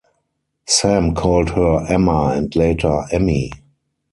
Sam called her "Emma" and later "Emmy".